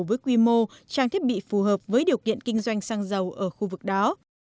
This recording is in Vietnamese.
với quy mô trang thiết bị phù hợp với điều kiện kinh doanh xăng dầu ở khu vực đó